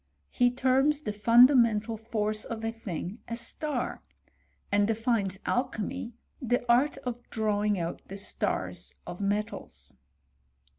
He terms the fundamental force of a thing a star, stnd defines alchymy the art of drawing out the stars of metals.